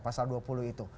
pasal dua puluh itu